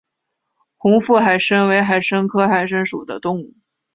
红腹海参为海参科海参属的动物。